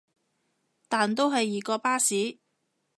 但都係易過巴士